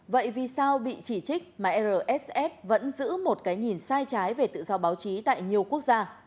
vậy vì sao bị chỉ trích mà rsf vẫn giữ một cái nhìn sai trái về tự do báo chí tại nhiều quốc gia